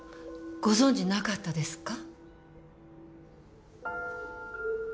ご存じなかったですか？